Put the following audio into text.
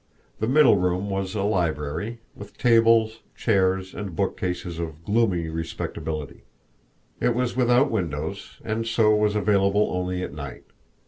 The middle room was a library, with tables, chairs, and bookcases of gloomy respectability. It was without windows, and so was available only at night.